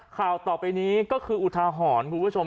ข่าวต่อไปนี้ก็คืออุทาหรณ์คุณผู้ชม